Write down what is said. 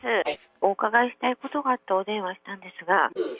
お伺いしたいことがあって、お電話したんですが。